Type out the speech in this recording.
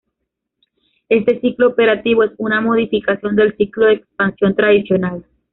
Este ciclo operativo es una modificación del ciclo de expansión tradicional.